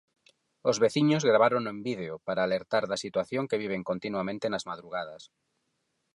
Os veciños gravárono en vídeo para alertar da situación que viven continuamente nas madrugadas.